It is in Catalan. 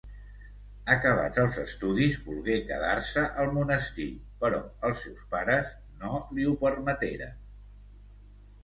Acabats els estudis, volgué quedar-se al monestir, però els seus pares no li ho permeteren.